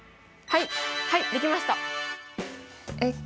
はいできました。